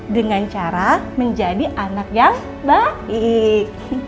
dengan cara menjadi anak yang baik